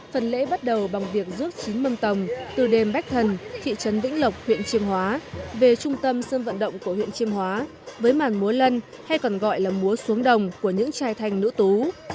phần lễ bắt đầu bằng việc rước chín mâng tầng từ đền bách thần thị trấn vĩnh lộc huyện chiêm hóa về trung tâm sân vận động của huyện chiêm hóa với màn múa lân hay còn gọi là múa xuống đồng của những trai thanh nữ tú